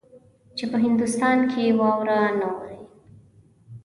چې په هندوستان کې واوره نه اوري.